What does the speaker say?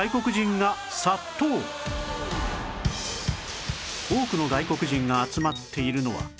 多くの外国人が集まっているのは